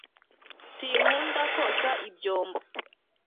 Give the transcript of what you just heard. sinkunda koza ibyombo